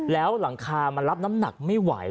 แล้วหลังคามันรับน้ำหนักไม่ไหว